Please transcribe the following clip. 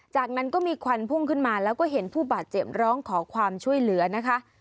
จากนั้นก็มีควันพุ่งขึ้นมาแล้วก็เห็นผู้บาดเจ็บร้องขอความช่วยเหลือนะคะ